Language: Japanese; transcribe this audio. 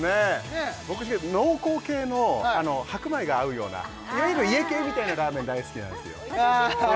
僕しかし濃厚系の白米が合うようないわゆる家系みたいなラーメン大好きなんですよ